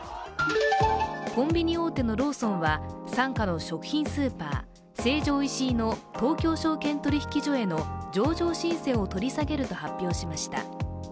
コンビニ大手のローソンは傘下の食品スーパー成城石井の東京証券取引所への上場申請を取り下げると発表しました。